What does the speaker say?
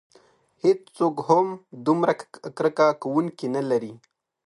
هیڅوک هم دومره کرکه کوونکي نه لري.